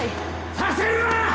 させるな！